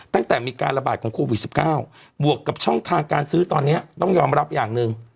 ตั้งแต่มีการระบาดของโควิด๑๙บวกกับช่องทางการซื้อตอนนี้ต้องยอมรับอย่างหนึ่ง